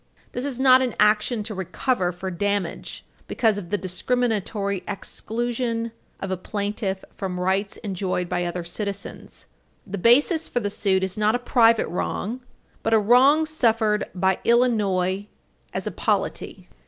This is not an action to recover for damage because of the discriminatory exclusion of a plaintiff from rights enjoyed by other citizens. The basis for the suit is not a private wrong, but a wrong suffered by Illinois as a polity. Compare Nixon v. Herndon, 273 U. S. 536, and Lane v.